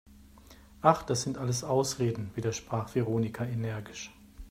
Ach, das sind alles Ausreden!, widersprach Veronika energisch.